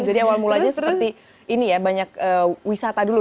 jadi awal mulanya seperti ini ya banyak wisata dulu